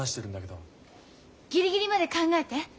ギリギリまで考えて。